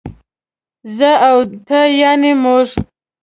زه او ته يعنې موږ